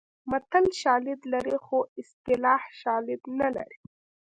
متل شالید لري خو اصطلاح شالید نه لري